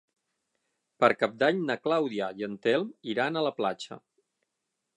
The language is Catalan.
Per Cap d'Any na Clàudia i en Telm iran a la platja.